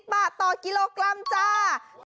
บาทต่อกิโลกรัมจ้า